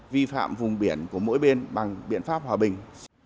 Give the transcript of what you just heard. vi phạm vùng biển của mỗi bên bằng biện pháp hòa bình